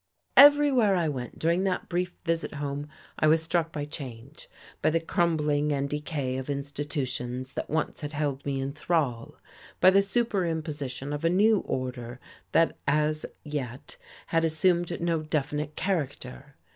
Everywhere I went during that brief visit home I was struck by change, by the crumbling and decay of institutions that once had held me in thrall, by the superimposition of a new order that as yet had assumed no definite character.